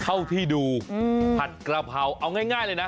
เท่าที่ดูผัดกระเพราเอาง่ายเลยนะ